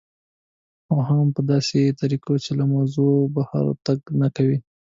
او هغه هم په داسې طریقه چې له موضوع بهر تګ نه کوي